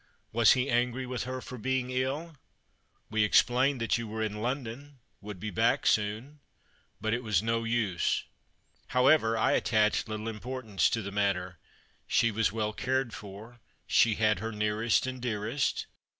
Was he angry with her for being ill ? We explained that you were in London, would be back soon — but it was no use. However, I attached little imj)ortance to the matter. She was Avell cared for ; she had her nearest and dearest.